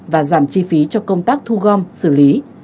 và giảm chi phí cho công tác thu gom xử lý